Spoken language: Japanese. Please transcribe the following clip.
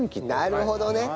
なるほどね。